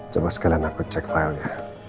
coba sekalian aku cek file nya